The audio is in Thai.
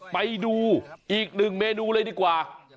ไปดูอีกหนึ่งเมนูเลยดีกว่า